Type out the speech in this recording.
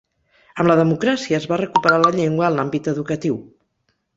Amb la democràcia, es va recuperar la llengua en l'àmbit educatiu.